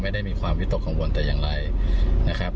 ไม่ได้มีความวิตกกังวลแต่อย่างไรนะครับ